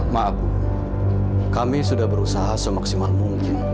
maaf kami sudah berusaha semaksimal mungkin